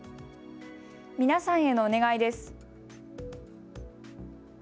皆さんへのお願いです。